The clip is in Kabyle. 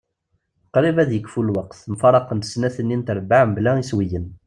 Qrib ad ikfu lweqt. Mfaraqent snat-nni n trebbaɛ mebla iswiyen.